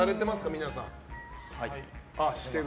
皆さん。